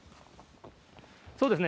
そうですね。